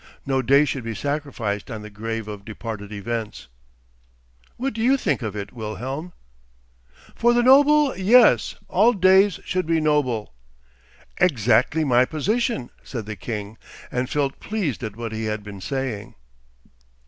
No day should be sacrificed on the grave of departed events. What do you think of it, Wilhelm?' 'For the noble, yes, all days should be noble.' 'Exactly my position,' said the king, and felt pleased at what he had been saying.